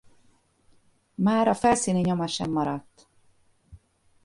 Mára felszíni nyoma sem maradt.